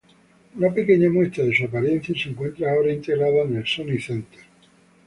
Una pequeña muestra de su apariencia se encuentra ahora integrada en el Sony Center.